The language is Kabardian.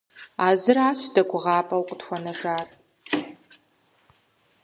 А зыращ дэ гугъапӀэу къытхуэнэжар.